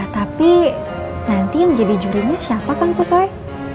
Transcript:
tapi nanti yang jadi jurinya siapa kang kusai